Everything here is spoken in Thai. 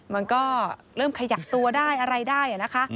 มันก็เริ่มขยับตัวได้อะไรได้นะคะ